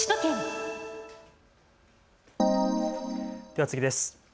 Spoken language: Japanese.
では次です。